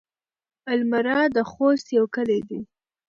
المره د خوست يو کلی دی.